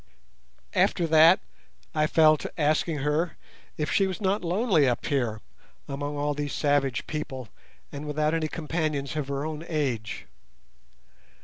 After that I fell to asking her if she was not lonely up here among all these savage people and without any companions of her own age.